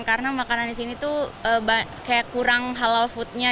karena makanan di sini tuh kayak kurang halal foodnya